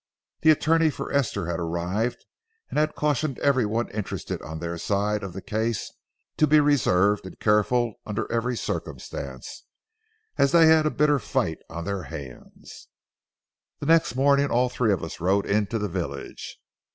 The attorney for Esther had arrived, and had cautioned every one interested on their side of the case to be reserved and careful under every circumstance, as they had a bitter fight on their hands. The next morning all three of us rode into the village.